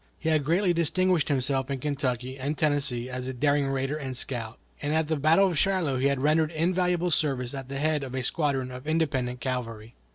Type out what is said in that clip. He had greatly distinguished himself in Kentucky and Tennessee as a daring raider and scout, and at the battle of Shiloh he had rendered invaluable service at the head of a squadron of independent cavalry.